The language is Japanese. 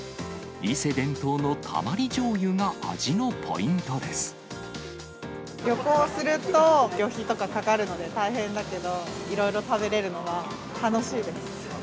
伊勢伝統のたまりじょうゆが味の旅行すると、旅費とかかかるので大変だけど、いろいろ食べれるのは楽しいです。